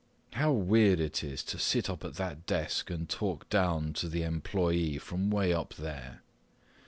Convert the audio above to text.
How weird it is to sit up at that desk and talk down to the employee from way up there.